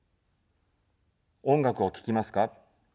音楽を聴きますか。